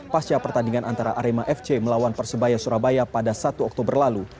pasca pertandingan antara arema fc melawan persebaya surabaya pada satu oktober lalu